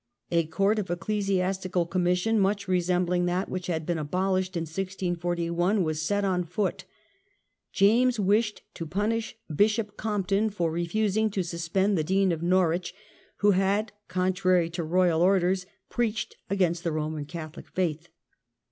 A court of Ecclesias Revivai of ^^^^^ Commission, much resembling that which High Commia had been abolished in 1641, was set on foot, sion Court, j^mes wishcd to punish Bishop Compton for refusing to suspend the Dean of Norwich, who had, contrary to royal orders, preached against the Roman Ca tholic faith.